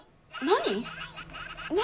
何？